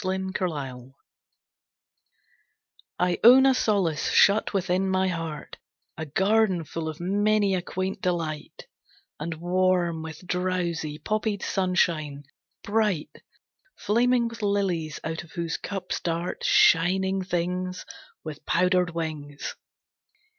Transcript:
Behind a Wall I own a solace shut within my heart, A garden full of many a quaint delight And warm with drowsy, poppied sunshine; bright, Flaming with lilies out of whose cups dart Shining things With powdered wings.